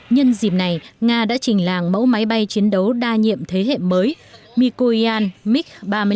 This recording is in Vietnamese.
nhân dịp này nga đã trình làng mẫu máy bay chiến đấu đa nhiệm thế hệ mới mikoyan mig ba mươi sáu